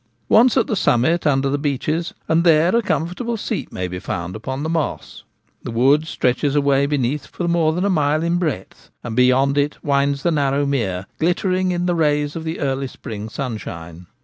Once at the summit under the beeches, and there a comfortable seat may be found upon the moss. The wood stretches away beneath for more than a mile in breadth, and beyond it winds the narrow mere glittering in the rays of the early spring sun shine.